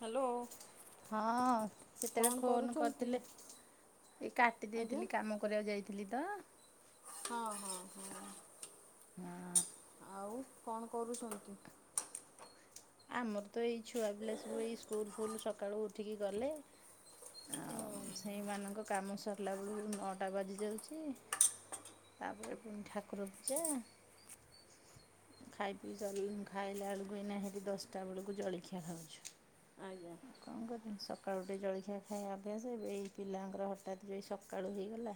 Hello. ହଁ ସେତେଳେ phone କରୁଛନ୍ତି? କରିଥିଲେ ଏ କାଟି ଆଜ୍ଞା ଦେଇଥିଲି କାମ କରିଆକୁ ଯାଇ ଥିଲି ତ। ହଁ ହଁ ହଁ। ହଁ। ଆଉ କଣ କରୁଚନ୍ତି? ଆମର ତ ଏଇ ଛୁଆ ପିଲା ସବୁ ଏଇ ସ୍କୁଲ୍ ଫୁଲ୍ ସକାଳୁ ଉଠିକି ଗଲେ। ଆଉ ସେଇମାନଙ୍କ କାମ ସରିଲା ବେଳୁକୁ ନଅଟା ବାଜି ଯାଉଚି। ତାପରେ ପୁଣି ଠାକୁର ପୂଜା। ଖାଇ ପିଇ ଜଲ୍ ଖାଇଲା ଅଳୁକୁ ଏଇନା ହେ ଦଶଟା ଅଳୁକୁ ଜଳିଖିଆ ଖାଉଛୁ ଆଜ୍ଞା ଆଉ କଁ କ ସକାଳୁ ଉଠି ଜଳିଖିଆ ଖାଇବା ଅଭ୍ୟାସ ଏବେ ଏଇ ପିଲାଙ୍କର ହଠାତ୍ ବି ସକାଳୁ ହେଇଗଲା।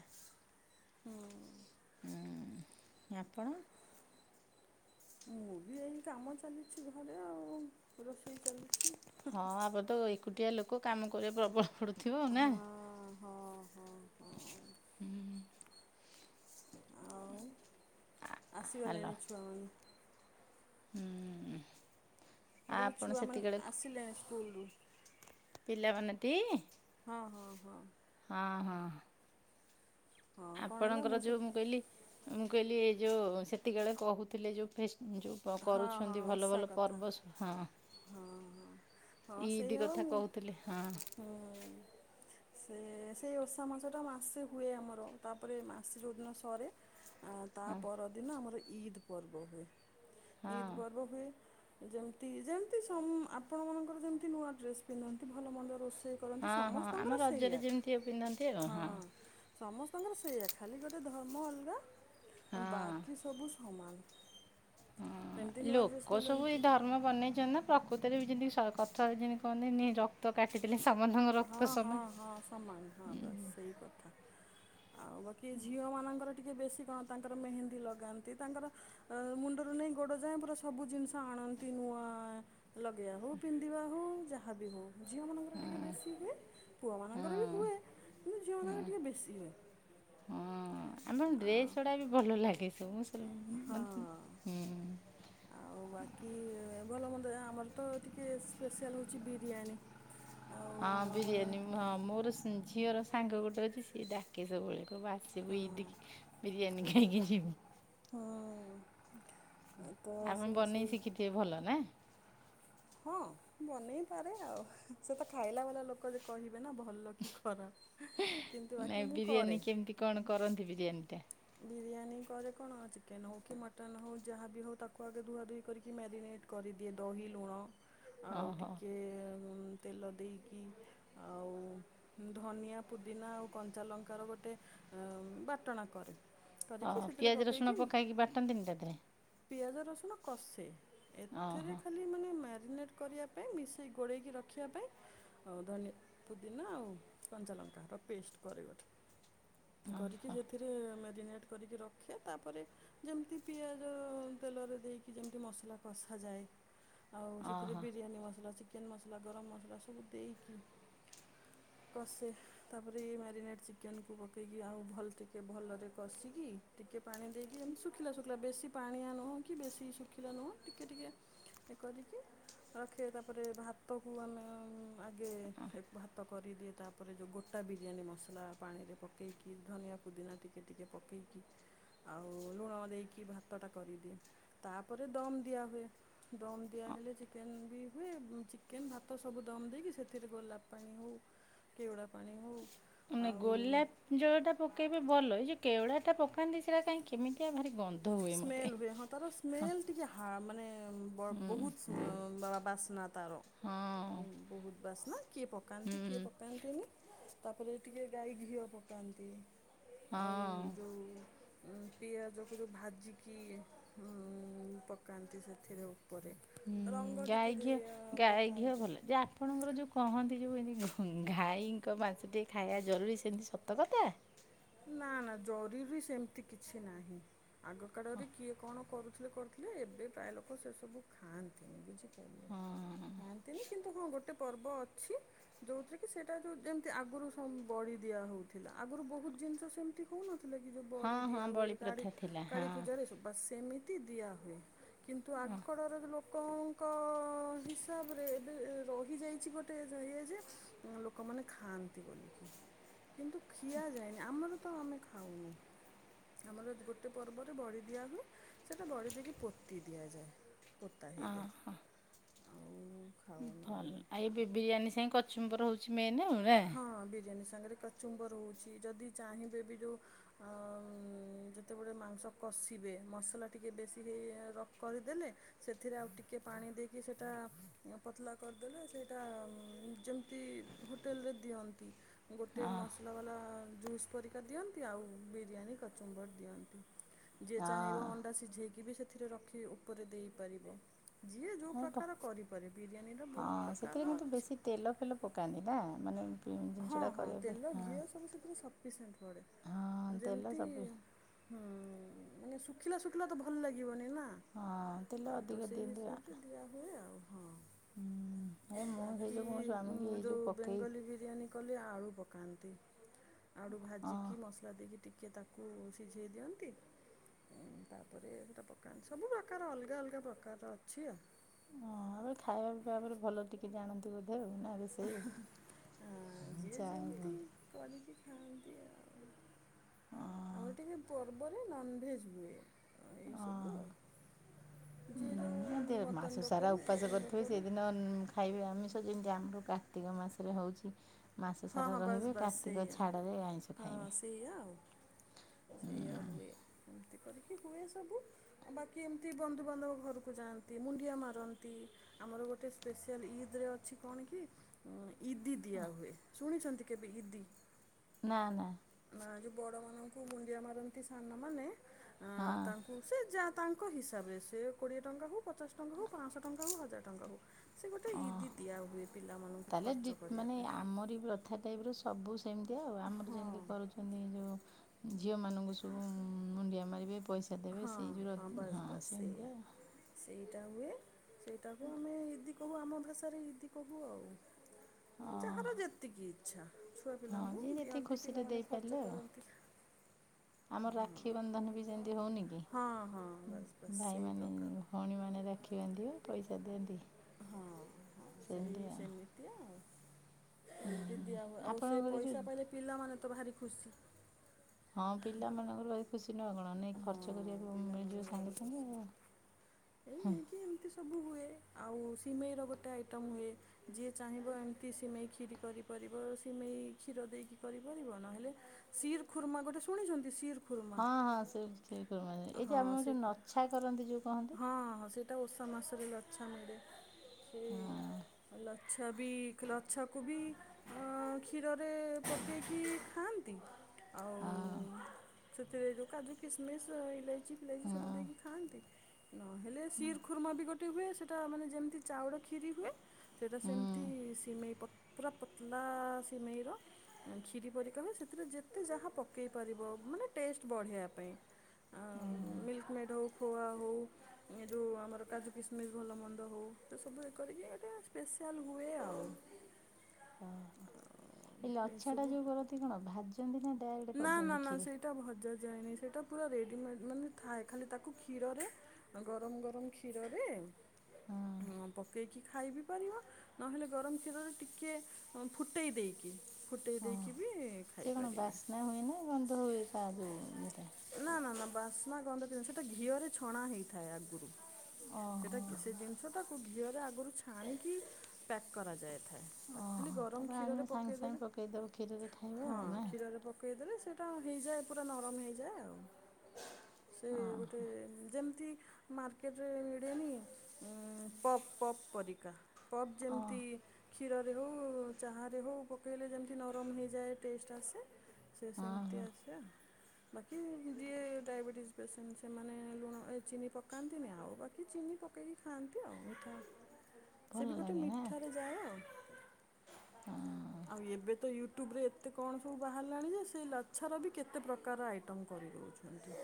ଉଁ ଆପଣ? ମୁଁ ବି ଏଇ କାମ ଚାଲିଛି ଘରେ ଆଉ ରୋଷେଇ ଚାଲିଛି। ହଁ ଆପ ତ ଏକୁଟିଆ ଲୋକ କାମ କରିବା ପ୍ରବଳ ପଡ଼ୁଥିବ, ନାଁ? ହଁ ହଁ। ହଁ ହଁ ହୁଁ। ଆଉ ହ୍ୟାଲୋ ଆସିଗଲେଣି ଛୁଆମାନେ। ହୁଁ। ମୁଁ କହିଲି ଆପଣ ଛୁଆମାନେ ସେତିକିବେଳେ ଆସିଲେଣି ସ୍କୁଲରୁ। ପିଲାମାନେ ଟି? ହଁ ହଁ ହଁ। ହଁ ହଁ। ହଁ କଣ ହେଲା ଆପଣଙ୍କର ସେ ଯୋଉ ମୁଁ କହିଲି ମୁଁ କହିଲି ଏ ଯୋଉ ସେତିକି ଅଳେ କହୁଥୁଲେ ଯୋଉ ଫେଷ୍ ଯୋଉ କ ହଁ ହଁ କରୁଛନ୍ତି ଭଲ ଓଷା ଭଲ କଥା ପର୍ବ ସ ହଁ। ହଁ ହଁ ହଁ ଇଦ୍ ସେଇଆ ବା କଥା ମୁଁ କହୁଥୁଲେ ହଁ। ହୁଁ। ସେ ସେଇ ଓଷା ମାସଟା ମାସେ ହୁଏ ଆମର ତାପରେ ମାସେ ଯୋଉଦିନ ସରେ। ଆ ତା ହଁ ପରଦିନ ଆମର ଇଦ୍ ପର୍ବ ହୁଏ ହଁ ଇଦ୍ ପର୍ବ ହୁଏ। ଯେମତି ଯେମତି ସମ୍ ଆପଣମାନଙ୍କର ଯେମିତି ନୂଆ ଡ୍ରେସ୍ ପିନ୍ଧନ୍ତି ଭଲ ମନ୍ଦ ରୋଷ୍ ସେ କରନ୍ତି ହଁ ହଁ ଆମ ସମସ୍ତଙ୍କର ସେଇ ରଜରେ ଯେମିତି ପିନ୍ଧନ୍ତି ଆଉ ହଁ। ସମସ୍ତଙ୍କର ସେଇଆ ଖାଲି ଗୋଟେ ଧର୍ମ ଅଲଗା ହଁ ବାକି ସବୁ ସମାନ। ଯେମିତି ହଁ ନୂଆ ଡ୍ରେସ୍ ଲୋକ ସବୁ ଏଇ ପିନ୍ଧନ୍ତି ଧା କରମ ବନେଇଛନ୍ତି ନା ପ୍ରକୃତିରେ ବି ଯେମିତି କଥ ଯେମିତି କହନ୍ତିନି ରା କ୍ତ କାଟିଥିଲି ସାମଙ୍କ ହଁ ରକ୍ତ ହଁ ସମାନ। ହଁ ସମାନ ହଁ ବାସ ସେଇ କଥା। ଆଉ ବାକି ଝିଅ ମଙ୍କର ଟିକେ ବେଶୀ କଣ ତାଙ୍କର ମେହେନ୍ଦୀ ଲଗାନ୍ତି ତାଙ୍କର ମୁଣ୍ଡରୁ ନେଇାଇ ଗୋଡ ଯାଏ ପୁରା ସବୁ ଜିନିଷ ଆଣନ୍ତି ନୂଆ। ଲଗେଇବା ହଉ ପିନ୍ଧିବା ହଉ ଯାହାବି ହଉ ଝିଅ ମାନଙ୍କର ଟିକେ ବେଶ ପୁଅମାନଙ୍କର ବି ହଁ ହୁଏ କିନ୍ତୁ ଝିଅମାନଙ୍କର ଟିକିଏ ବେଶୀ ହୁଏ। ହଁ ଆମର ଡ୍ରେସ୍ ଗୁଡ଼ା ବି ଭଲ ଲାଗେ ସବୁ ସ ହଁ। ମାନେୁଁ। ଆଉ ବାକି ଭଲ ମନ୍ଦ ଯାହା ଆମର ତ ଟିକିଏ ସ୍ପେ। ଶାଆଲ ହେଉଛି ବିରିୟାନୀ। ଆଉ ହଁ ଆମର ବିରିୟାନୀ ହଁ ମୋର ଝିଅର ସାଙ୍ଗ ଗୋଟେ ଅଛି ସିଏ ଡାକେ ସବୁବେଳେ। କ ବା ସେ ବି ହଁ। ଦେଖ ବିରିୟାନୀ ଖାଇକି ଯିବ। ହଁ ତ ଆପଣ ସେ ସେଇ ବନେଇ ଶିଖିଥିବେ ଭଲ ନା? ହଁ ବନେଇପାରେ ଆଉ ସେ ତ ଖାଇଲା ବାଲା ଲୋକ ଯେ କହିବେ ନା ଭଲ କି ଖରାପ କିନ୍ତୁ ନାଇଁ ବାକି ମୁଁ ବିରିୟାନୀ କରେ। କେମିତି କଣ କରନ୍ତି? ବିରିୟାନୀ ଟା। ବିରିୟାନୀ କରେ କଣ ଚିକେନ ହଉ କି ମଟନ୍ ହଉ ଯାହାବି ହଉ ତାକୁ ଆଗେ ଧୁଆଧୁହି କରିକି ମ୍ୟାରିନେଟ୍ କରିଦିଏ ଦହି ଲୁଣ ଆଉ ଓହୋ ଟିକଏ ତେଲ ଦେଇକି ଆଉ ଧନିଆ ପୁଦିନା ଆଉ କଞ୍ଚା ଲଙ୍କାର ଗୋଟେ ବାଟଣା କରେ। ହ କରିକି ସେଥିରେ ପିଆଜ ରସୁଣ ପକେଇକି ପକାଇକି ବାଟନ୍ତିନି ତା ଦେହରେ ପିଆଜ ରସୁଣ କଷେ ଏଥିରେ ଓହୋ ଖାଲି ମାନେ ମ୍ୟାରିନେଟ୍ କରିବା ପାଇଁ ମିଶାଇ ଗୋଳେଇକି ରଖିବା ପାଇଁ ହଉ ଧନିଆ ପୁଦିନା ଆଉ କଞ୍ଚାଲଙ୍କା ର ପେଷ୍ଟ ପରେ ଗୋଟେ କରିକି ସେଥିରେ ମ୍ୟାରିନେଟ୍ କରିକି ରଖେ ତାପରେ ଯେମିତି ପିଆଜ ତେଲରେ ଦେଇକି ଯେମତି ମସଲା କଷା ଯାଏ ଆଉ ସେଥିରେ ଓହୋ ବିରୀୟାନୀ ମସଲା ଚିକେନ୍ ମସଲା ଗରମ ମସଲା ସବୁ ଦେଇକି କଷେ। ତାପରେ ଏଇ ମ୍ୟାରିନେଟ୍ ଚିକେନକୁ ପକେଇକି ଆଉ ଭଲ ଟିକେ ଭଲରେ କଷିକି ଟିକେ ପାଣି ଦେଇକି ଏଇ ଶୁଖିଲା ଶୁଖିଲା ବେଶି ପାଣିଆ ନୁହୁଁ ବେଶୀ ଶୁଖିଲା ନୁହୁ଼ଁ ଟିକେ ଟିକେ କରିକି ରଖେ ତାପରେ ଭାତକୁ ଆମେ ଆଗେ ଭାତ କରିଦିଏ ତାପରେ ତାପରେ ଯୋଉ ଗୋଟା ବିରିୟାନୀ ମସଲା ପାଣିରେ ପକେଇକି। ଧନିଆ ପୁଦିନା ଟିକେ ଟିକେ ପକେଇକି। ଆଉ ଲୁଣ ଦେଇକି ଭାତ ଟା କରିଦିଏ। ତାପରେ ଦମ ଦିଆ ହୁଏ। ଦମ୍ ଦିଆହେଲେ ଚିକେନ ବି ହୁଏ। ଚିକେନ ଭାତ ସବୁ ଦମ୍ ଦେଇକି ସେଥିରେ ଗୋଲାପ ପାଣି ହଉ। କେବଡ଼ା ପାଣି ହଉ। ନା ଗୋଲାପ ଜଳଟା ପକେଇବେ ଭଲ ଯୋଉ କେୱଡା ପକାନ୍ତି ସେଟା କାହିଁ କେମିତି ଆ ଭାରି ଗନ୍ଧ। ହୁଏ ମୋତେ ସ୍ମେଲ ହୁଏ ହଁ ତାର ହଁ ସ୍ମେଲ ଟିକେ ମାନେ ବହୁତ ବାସନା! ତାର ବହୁତ ବାସନା! କିଏ ପକାନ୍ତି? କିଏ ହୁଁ ପକାନ୍ତିନି ତାପରେ ଟିକେ ଗାଈ ଘିଅ ପକାନ୍ତି। ଆଉ ହଁ ଯୋଉ ପିଆଜ ଭାଜିକି ପକାନ୍ତି ସେଥିରେ ଉପରେ ହୁଁ ରଙ୍ଗ ଗାଈ ଟିକେ ଘିଅ ଦେଇ ଗାଈ ଘିଅ ପକାନ୍ତି ଭଲ ଯା ଆପଣଙ୍କର ଯୋଉ କହନ୍ତି ଯୋଉ ଏମତି ଗାଈଙ୍କ ମାଂସ ଟିିକେ ଖାଇବା ଜରୁରୀ ସେମିତି ସତ କଥା। ନା ନା ଜରୁରୀ ସେମିତି କିଛି ନାହିଁ ଆଗ କାଳରେ କିଏ କଣ କରୁଥିଲେ କ ଏବେ ପ୍ରାୟ ଲୋକ ସେ ସବୁ ଖାଆନ୍ତିନି ବୁଝିପାରିଲେ ହଁ ଖାଆନ୍ତିନି କିନ୍ତୁ ହଁ ଗୋଟେ ପର୍ବ ଅଛି। ଯୋଉଥିରେ କି ସେଇଟା ଯୋଉ ଯେମିତି ଆଗରୁ ବଡ଼ି ଦିଆ ହେଉଥିଲା ଆଗରୁ ବହୁତ ଜିନିଷ ସେମିତି ହୋଉନଥିଲା କି ଯୋଉ ହଁ ବଡି ହଁ ଦିଆ ହୁଏ ବଳି ପ୍ରଥା ଥିଲା କାଳୀ ହଁ ପୂଜାରେ ସ ବାସ ସେମି ତି ଦିଆ ହୁଏ କିନ୍ତୁ ଆଗ କାଳର ଲୋକଙ୍କ କ ହିସାବରେ ଏବେ ରହିଯାଇଚି ଗୋଟେ ଇଏ ଯେ ଲୋକମାନେ ଖାଆନ୍ତି ବୋଲିକି କିନ୍ତୁ ଖିଆ ଯାଏନି। ଆମର ତ ଆମେ ଖାଉନୁ। ଆମର ଗୋଟେ ପର୍ବରେ ବଡ଼ି ଦିଆ ହୁଏ ସେଇଟା ବଡ଼ି ଦେଇକି ପୋତି ଦିଆଯାଏ। ପୋତା ଓହୋ ହେଇଯାଏ। ଆଉ ଖାଉନୁ ଭଲ ଆମେ ଆଇ ଏବେ ବିରିୟାନୀ ସାଙ୍ଗେ କଚୁମ୍ବର ହୋଉଚି ମେନ୍‌ ଆଉ ନା ହଁ ବିରିୟାନୀ ସାଙ୍ଗରେ କଚୁମ୍ବ ରହୁଚି ଯଦି ଚାହିଁବେ ବି ଯୋଉ ଆ ଯେତେବେଳେ ମାଂସ କଷିବେ ମସଲା ଟିକେ ବେଶୀ ହେଇ ରକ୍ କରିଦେଲେ। ସେଥିରେ ଆଉ ଟିକେ ପାଣି ଦେଇକି ସେଇଟା ପତଲା କରିଦେବେ ସେଇଟା ଯେମତି ତି ହୋଟେଲ୍ ରେ ଦିଅନ୍ତି। ଗୋଟେ ମସଲା ବାଲା ଜୁସ୍ ପରିକା ଦିଅନ୍ତି ଆଉ ବିରିୟାନୀ କଚୁମ୍ବଡ଼ ଦିଅନ୍ତି। ଯିଏ ହଁ ଚାହିଁବ ଅଣ୍ଡା ସିଝେଇକି ବି ସେଥିରେ ରଖି ଉପରେ ଦେଇପାରିବେ। ଯିଏ ଯୋଉ ହଁ ହଉ। ପ୍ରକାର କରିପାରେ ବିରିୟାନୀ ର ବୋ ହଁ ସେଥିରେ କିନ୍ତୁ ବେଶୀ ତେଲ ଫେଲ ପକାନ୍ତି ନା ମାନେ ହଁ ଜିନିଷଟା ହଁ କରିବା ପାଇଁ ତେଲ ହଁ ଘିଅ ସବୁ ସେଥିରେ ସଫିସିଏଣ୍ଟ ହଁ ପଡ଼େ ତେଲ ଯେମିତି ସବୁ ହୁଁ ମାନେ ଶୁଖିଲା ଶୁଖିଲା ତ ଭଲ ଲାଗିବନି ନା। ହଁ ତେଲ ଆ ଅଧିକ ତ ସେଇ ଦିଅନ୍ତି ହିସାବରେ ଦିଆ ହୁଏ ଆଉ ହଁ। ଏ ମୁଁ ସେଇ ବାକି ଯୋଗୁଁ ମୋ ଉଁ ସ୍ୱାମୀକି ଏଇ ଯେଉଁ ଯୋଉ ପକେଇ ବେଙ୍ଗଲୀ ବି ବିରିୟାନି କଲେ ଆଳୁ ପକାନ୍ତି ଆଳୁ ହଁ ଭାଜିକି ମସ ଦଦିଇକି ଟିକେ ତାକୁ ସିଝେଇ ଦିଅନ୍ତି ତାପରେ ହେଟା ପକାନ୍ତି ସବୁ ପ୍ରକାର ଅଲଗା ଅଲଗା ପ୍ରକାରର ଅଛି ଆଉ। ମୋହର ଖାଇବା ପିଇବା ଉପରେ ଭଲ ଟିକେ ଜାଣନ୍ତି ବୋଧେ ଆଉ ନା ସେଇ ଆ ଯିଏ ଚା ଆଉ କଣ। ଯେମିତି କରିକି ଖାଆନ୍ତି ଆଉ। ହଁ ଆମର ଟିକେ ପର୍ବରେ ନନଭେଜ୍ ହୁଏ ଏଇ ସବୁ ଆଉ। ଯିଏ ଯୋଉ ହୁଁ ଏ ମାସ ମଟନର ସାରା କରୁ ଉପାସ ଚିକେନର କରଥିବେ କରୁ। ସେଇଦିନ ଖାଇବ ଆମିଷ ଯେମିତି ଆମର କାର୍ତ୍ତିକ ମାସରେ ହୋଉଚି। ମାସ ହଁ ସାରା ହଁ ବାସ୍ ରହିବେ ବାସ୍ କାର୍ତ୍ତିକ ସେଇଆ ଛାଡ଼ରେ ଆଇଁଷ ହଁ ଖାଇବେ। ସେଇଆ ଆଉ ସେଇଆ ହୁଏ ଏମିତି କରିକି ହୁଏ ସବୁ। ବାକି ଏମିତି ବନ୍ଧୁ ବାନ୍ଧବ ଘରକୁ ଯାଆନ୍ତି ମୁଣ୍ଡିଆ ମାରନ୍ତି। ଆମର ଗୋଟେ ସ୍ପେଶିଆଲ୍ ଇଦ୍‌ ରେ ଅଛି କଣ କି ଇଦି ଦିଆ ହୁଏ ଶୁଣିଛନ୍ତି କେବେ ଇଦି? ନା ନା। ନା ଯୋଉ ବଡ଼ ମାନଙ୍କୁ ମୁଣ୍ଡିଆ ମାରନ୍ତି ସାନମାନେ ହଁ। ତାଙ୍କୁ ସେ ଯା ତାଙ୍କ ହିସାବରେ ସେ କୋଡ଼ିଏ ଟଙ୍କା ହୋଉ ପଚାଶ ଟଙ୍କା ହୋଉ ପାଞ୍ଚଶହ ଟଙ୍କା ହୋଉ ହଜାର ଟଙ୍କା ହୋଉ। ସେ ଗୋଟେ ଇଦି ଦିଆ ହୁଏ। ପିଲାମାନଙ୍କୁ ତାହେଲେ ଦି ଖର୍ଚ୍ଚ କରିବା ମାନେ ପାଇଁ ଆମରି ପ୍ରଥା ଟାଇପ ର ସବୁ ସେମିତି ଆଉ ଆମର ହଁ ଯେମିତି କରୁଛୁ ମାନେ ଯୋଉ ଝିଅ ମାନଙ୍କୁ ସବୁ ମୁଣ୍ଡିଆ ମାରିବେ ପଇସା ସେ ଦେବେ ହଁ ସେଇ ଯର ବାସ୍ ହଁ ବାସ୍ ସେଇଆ ସେମିତି ଆଉ। ସେଇଟା ହୁଏ ସେଇଟାକୁ ଆମେ ଇଦି କହୁ ଆମ ଭାଷାରେ ଇଦି କହୁ ଆଉ। ଓହୋ ଯାହାର ଯେତିକି ଇଛା ଛୁଆ ହଁ ପିଲାଙ୍କୁ ଯିଏ ଯେତିକି ଦିଅନ୍ତି ଖୁସିରେ ପିଲାମାନେ ଦେଇପାରିଲେ ଖର୍ଚ୍ଚ ଆଉ କରନ୍ତି। ଆମର ରାକ୍ଷୀ ବନ୍ଧନ ବି ସେମିତି ହଉନି କି? ହଁ ହଁ। ବାସ୍ ବାସ୍ ସେଇ ଭାଇମାନେ ପ୍ରକାର ଭଉଣୀମାନେ ରାକ୍ଷି ବାନ୍ଧିବେ ପଇସା ଦିଅନ୍ତି। ହଁ ହଁ ସେଇ ସେମିତିଆ। ଆଉ ସେମିତି ଦିଆ ହୁଏ ଆଉ ସେ ଆପଣଙ୍କର ପଇସା ଯେଉଁ ପାଇଲେ ପିଲାମାନେ ତ ଭାରି ଖୁସି। ହଁ ପିଲାମାନଙ୍କର ଭାରି ଖୁସି। ଖୁସି ନୁହ ଆଉ କଣ ନେଇ ହଁ ଖର୍ଚ୍ଚ କରିବାକୁ ପିଲାମାନେ ମିଳିଯିବ ଭାରି ସାଙ୍ଗେ ସାଙ୍ଗେ ଆଉ ହୁଁ। କି ଏମିତି ସବୁ ହୁଏ ଆଉ ସିମେଇର ଗୋଟେ ଆଇଟମ୍ ହୁଏ। ଯିଏ ଚାହିଁବ ଏମିତି ସିମେଇ କ୍ଷୀରି କରିପାରିବ ସିମେଇ କ୍ଷୀର ଦେଇକି କରିପାରିବ ନହେଲେ ଶିର ଖୁର୍ମା ଗୋଟେ ଶୁଣିଛନ୍ତି ଶିର ହଁ ହଁ ସେ ସିର କୁରୁମା ଏଇ ଯେ ଆମ ଯୋଉ ସେ ନଛା କରନ୍ତି ଯୋଉ କହନ୍ତି ହଁ ହଁ ସେଇଟା ଓଷା ମାସରେ ଲଛା ମିଳେ ହଁ ସେଇ ଲଛା ବି ଲଛାକୁ ବି କ୍ଷୀରରେ ପକେଇକି ଖାଆନ୍ତି। ଆଉ ହଁ ସେଥିରେ ଯୋଉ କାଜୁ କିସମିସ ଇଲାଇ ଇଲାଇଚି ସବୁ ଦେଇକି ଖାଆନ୍ତି। ହେଲେ ଶିର ଖୁର୍ମା ବି ଗୋଟେ ହୁଏ ସେଟା ମାନେ ଯେମିତି ଚାଉଳ ଖିରି ହୁଏ ସେଇଟା ହୁଁ ସେମିତି ସିମେଇ ପୁରା ପତଲା ସିମେଇର କ୍ଷିରି ପରିକା ହୁ ସେଥିରେ ଯେତେ ଯାହା ପକେଇ ପାରିବ ମାନେ ଟେଷ୍ଟ ବଢ଼େଇବା ପାଇଁ। ଆଉ ମିଲ୍କ ମେଡ଼ ହଉ ଖୁଆ ହଉ। ଏ ଯେଉଁ ଆମର କାଜୁ କିସମିସ୍ ଭଲ ମନ୍ଦ ହଉ ସେ ସବୁ ଇଏ କରିକି ଗୋଟେ ସ୍ପେଶାଆଲ୍ ହୁଏ ଆଉ। [unintelligible] ଓହୋ ଏଇ ଲଛାଟା ଏସବୁ ଯୋଉ କରନ୍ତି କଣ ଭାଜନ୍ତି ନା ଡାଇରେକ୍ଟ କରିଦିଅନ୍ତି କ୍ଷୀରି। ସେଟା ଭଜା ଯାଏନି ସେଇଟା ପୁରା ରେଡିମେଡ ମାନେ ଥାଏ ଖାଲି ତାକୁ କ୍ଷୀରରେ ଗରମ ଗରମ କ୍ଷୀରରେ ହଁ ପକେଇକି ଖାଇ ବିି ପାରିବ। ନହେଲେ ଗରମ କ୍ଷୀରରେ ଟିକେ ଫୁଟେଇ ଦେଇକି ଫୁଟେଇ ଓହ ଦେଇକି ବି ସେ କଣ ଖାଇପାରିବେ ବାସ୍ନା ହୁଏ ନା ଗନ୍ଧ ହୁଏ ତା ଯୋଉ ଇଏଟା। ନା ନା ନା ବାସ୍ନା ଗନ୍ଧ ପି ସେଇଟା ଘିଅରେ ଛଣା ହେଇଥାଏ ଆଗରୁ। ସେଟା ଓହୋ ସେ ଜିନିଷ ଟାକୁ ଘିଅରେ ଆଗରୁ ଛାଣିକି ପ୍ୟାକ୍ କରାଯାଇଥାଏ। ଖାଲି ଓହୋ ଗରମ ତାକୁ ଆଣିବ କ୍ଷୀରରେ ସାଙ୍ଗେ ସାଙ୍ଗେ ପକେଇଦେଲେ ପକେଇଦବ କ୍ଷୀରରେ ଖାଇବ ହଁ ଆଉ ନା କ୍ଷୀରରେ ପକେଇଦେଲେ ସେଇଟା ହେଇଯାଏ ପୁରା ନରମ ହେଇଯାଏ ଆଉ। ସେ ହଁ ଗୋଟେ ଯେମିତି ମାର୍କେଟରେ ମିଳେନି ପପ୍ ପପ୍ ପରିକା। ପପ୍ ଓ ଯେମିତି କ୍ଷୀରରେ ହେଉ ଚାହାରେ ହେଉ ପକାଇଲେ ଯେମିତି ନରମ ହେଇଯାଏ ଟେଷ୍ଟ ଆସେ। ସେ ହଁ ସେମିତି ହଁ ଆସେ ଆଉ। ବାକି ଯିଏ ଡାଇବେଟିଜ ପେସେଣ୍ଟ ସେମାନେ ଲୁଣ ଚିନି ପକାନ୍ତିନି ଆଉ ବାକି ଚିନି ପ ପକେଇକି ଖାଆନ୍ତି ଆଉ ମିଠା ସେ ଭଲ ବି ଗୋଟେ ଲାଗେ ନା ମିଠାରେ ଯାଏ ଆଉ। [unintelligible] ଆଉ ଏବେ ତ ୟୁଟ୍ୟୁବ ରେ ଏତେ କଣ ସବୁ ବାହାରିଲାଣି ଯେ ସେ ଲଛାର ବି କେତେ ପ୍ରକାର ଆଇଟମ। ଖତମ କରିଦଉଚନ୍ତି।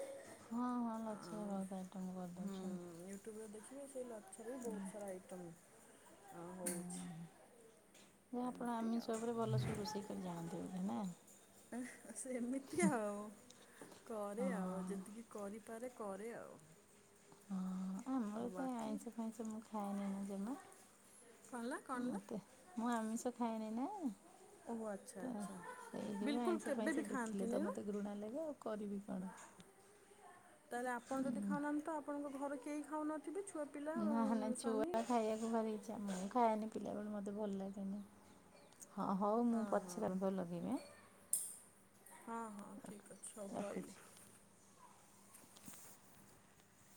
ହଁ ହଁ ଲଛା ବହୁତ ଆଇଟମ୍ କରିଦେଉଛନ୍ତି। ୟୁଟ୍ୟୁବ ରେ ଦେଖିବି ସେଇ ଲଚ୍ଛା ବି ବହୁତ ସାରା ଆଇଟମ୍ ହୁଁ ହେଉଛି ଯେ ଆପଣ ଏମିତି ଆମେ ସବୁବେଳେ ଆଉ ଭଲ ସବୁ ରୋଷେଇ କରି ଜାଣନ୍ତି ବୋଧେ ନା? ଆ ସେମିତି ଆଉ। କରେ ହଁ ଆଉ ଯେତିକି କରିପାରେ କରେ ଆଉ। ହଁ ଆମର ଆଉ ତ ବାକି ଆଇଁଷ ଫାଇଁଷ ମୁଁ ଖାଏନିନା ଜମ୍ହା। କଣ ହେଲା କଣ ହେଲା? ମୁଁ ଆମିଷ ଖାଏନି ନା ଓହୋ ଆଚ୍ଛା ତ ଆଚ୍ଛା ସେଇ ଯୋଗୁ ବିଲକୁଲ ଆଇଁଷ କେବେ ବି ଫାଇଁଷ ଦେଖିଲେ ଖାଆନ୍ତିନି ତ ନା ମତେ ଘୃଣା ଲାଗେ ଆଉ କରିବି କଣ। ତାହେଲେ ଆପଣ ଯଦି ଖାଉନାହାନ୍ତି ତ ଆପଣଙ୍କ ଘରେ କେହି ଖାଉନ ଯେବେ ଛୁଆ ପିଲା ନହେଲେ ସ୍ୱାମୀ ଛୁଆ ଖାଇବାକୁ ଭାରି ଇଛା ମୁଁ ଖାଇଏନି ପିଲାବେଳୁ ମତେ ଭଲ ଲାଗେନି। ହଁ ହଉ ମୁଁ ହଁ ହଁ ପଛାରେ ଭ ଲଗେଇିବି ଆଁ? ହଁ ହଁ ଠିକ ଅଛି ହୋଉ ଆଁ ମୁଁ ରହିଲି। ରଖୁଛି